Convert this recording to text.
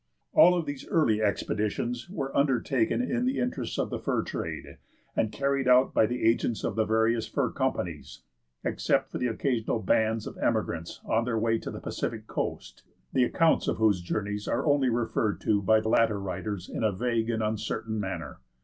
All of these early expeditions were undertaken in the interests of the fur trade, and carried out by the agents of the various fur companies, except for occasional bands of emigrants on their way to the Pacific Coast, the accounts of whose journeys are only referred to by later writers in a vague and uncertain manner.